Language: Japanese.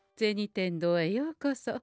天堂へようこそ。